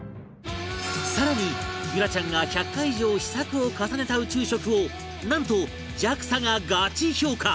更に結桜ちゃんが１００回以上試作を重ねた宇宙食をなんと ＪＡＸＡ がガチ評価！